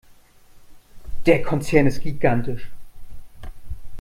Der Konzern ist gigantisch.